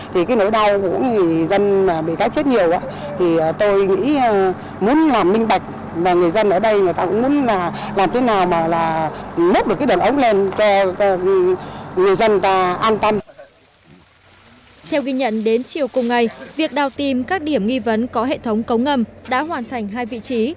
theo ghi nhận đến chiều cùng ngày việc đào tìm các điểm nghi vấn có hệ thống cống ngầm đã hoàn thành hai vị trí